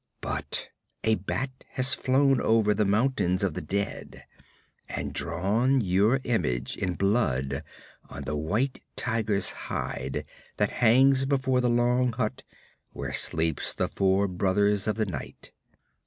But a bat has flown over the Mountains of the Dead and drawn your image in blood on the white tiger's hide that hangs before the long hut where sleep the Four Brothers of the Night.